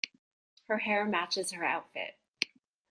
Her hair matches her outfit.